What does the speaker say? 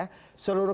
seluruh kepala desa